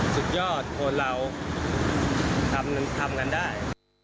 สุดยอดคนเราทำกันได้